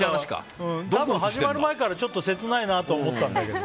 始まる前からちょっと切ないなと思ったんだけど。